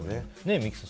三木さん